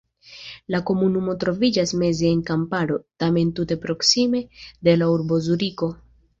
La komunumo troviĝas meze en la kamparo, tamen tute proksime de la urbo Zuriko.